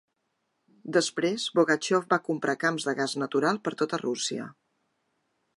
Després Bogachyov va comprar camps de gas natural per tota Rússia.